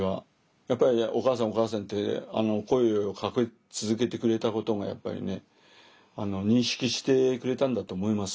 やっぱり「お母さんお母さん」って声をかけ続けてくれたことがやっぱりね認識してくれたんだと思います。